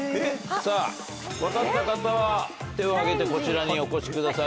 さぁ分かった方は手を挙げてこちらにお越しください。